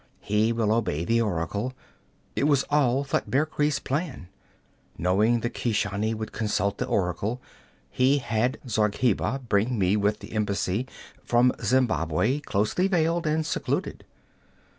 He will obey the oracle. It was all Thutmekri's plan. Knowing the Keshani would consult the oracle, he had Zargheba bring me with the embassy from Zembabwei, closely veiled and secluded.'